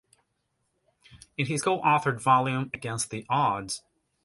In his co-authored volume, Against the Odds?